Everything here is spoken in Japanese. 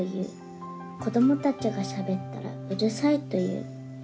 子どもたちがしゃべったらうるさいという。」